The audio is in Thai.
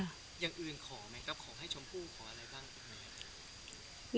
อย่างอื่นขอไหมครับขอให้ชมพู่ขออะไรบ้างไหมครับ